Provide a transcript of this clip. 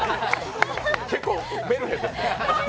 結構メルヘンですから。